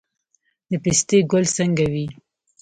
د پستې ګل څنګه وي؟